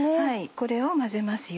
これを混ぜますよ。